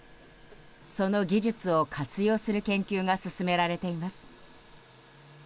その技術を活用する研究が進められています。